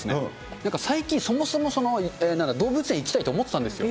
なんか最近、そもそも動物園行きたいと思ってたんですよ。